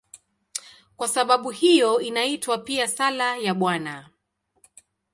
Kwa sababu hiyo inaitwa pia "Sala ya Bwana".